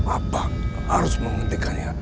apa harus menghentikannya